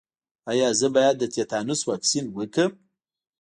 ایا زه باید د تیتانوس واکسین وکړم؟